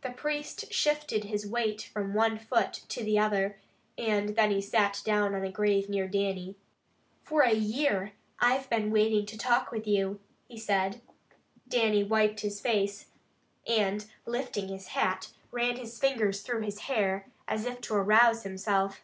The priest shifted his weight from one foot to the other, and then he sat down on a grave near Dannie. "For a year I have been waiting to talk with you," he said. Dannie wiped his face, and lifting his hat, ran his fingers through his hair, as if to arouse himself.